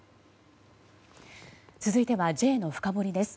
続いてはＪのフカボリです。